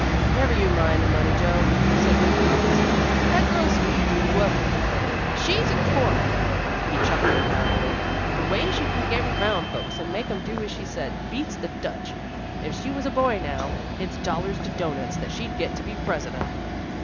"Never you mind the money, Joe," said Mr. Robbins. "That girl's speech was wuth it. She's a corker." He chuckled admiringly. "The way she can get 'round folks and make 'em do as she says beats the Dutch. If she was a boy now, it's dollars to doughnuts that she'd get to be president."